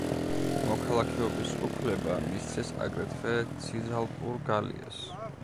მოქალაქეობის უფლება მისცეს აგრეთვე ციზალპურ გალიას.